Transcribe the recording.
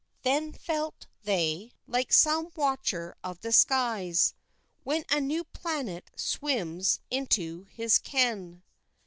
Then felt they, like some watcher of the skies, When a new planet swims into his ken.